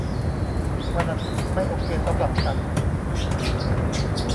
วันอาทิตย์ไม่โอเคสำหรับฉัน